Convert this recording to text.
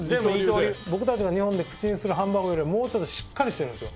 僕たちが日本で口にするハンバーガーよりももうちょっとしっかりしてるんですよ。